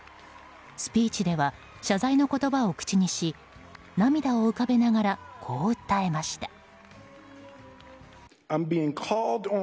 スピーチでは謝罪の言葉を口にし涙を浮かべながらこう訴えました。